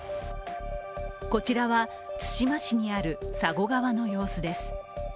こちらは、対馬市にある佐護川の様子です。